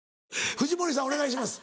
藤森さんお願いします。